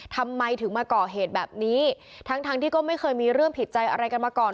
ทำไมถึงมาก่อเหตุแบบนี้ทั้งทั้งที่ก็ไม่เคยมีเรื่องผิดใจอะไรกันมาก่อน